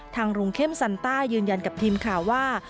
ทางรุงเข้มซันต้ายืนยันกับทีมข่าวว่า